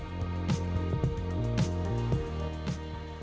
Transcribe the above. pemerintah memperlakukan masa pembatasan sosial berskala besar